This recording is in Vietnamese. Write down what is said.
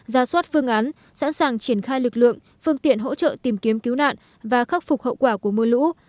ra soát phương án sẵn sàng triển khai lực lượng phương tiện hỗ trợ tìm kiếm cứu nạn và khắc phục hậu quả của mưa lũ